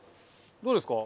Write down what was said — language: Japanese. どうですか？